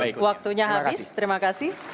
baik waktunya habis terima kasih